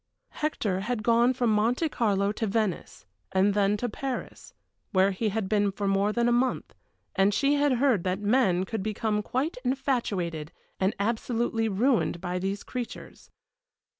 Hector had gone from Monte Carlo to Venice, and then to Paris, where he had been for more than a month, and she had heard that men could become quite infatuated and absolutely ruined by these creatures.